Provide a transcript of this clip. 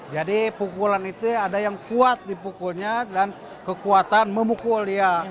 jadi pukulan itu ada yang kuat dipukulnya dan kekuatan memukul ya